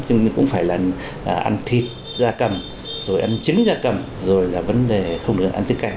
chứ cũng phải là ăn thịt ra cầm rồi ăn trứng ra cầm rồi là vấn đề không được ăn tiết canh